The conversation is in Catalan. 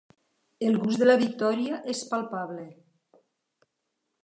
El gust de la victòria és palpable.